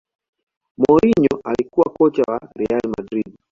mourinho alikuwa kocha wa real madrid